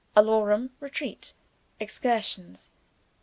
Alarum, Retreat, Excursions.